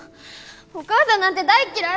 お母さんなんて大っ嫌い！